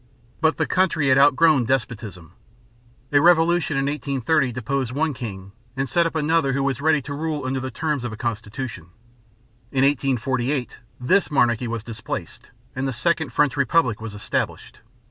But the country had outgrown despotism. A revolution in 1830 deposed one king and set up another who was ready to rule under the terms of a constitution. In 1848 this monarchy was displaced and the second French republic was established.